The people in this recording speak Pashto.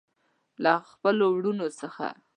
له خپلو وروڼو څخه.